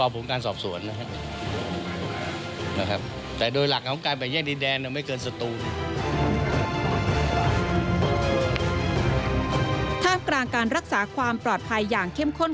ท่ามกลางการรักษาความปลอดภัยอย่างเข้มข้น